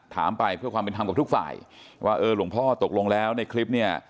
ถามไปเพื่อความเป็นธรรมกับทุกฝ่ายว่าเออหลวงพ่อตกลงแล้วในคลิปเนี่ย